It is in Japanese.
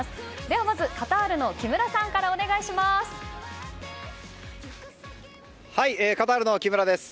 ではまずカタールの木村さんからお願いします。